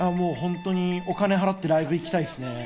お金払ってライブに行きたいですね。